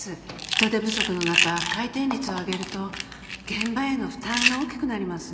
人手不足の中回転率を上げると現場への負担が大きくなります。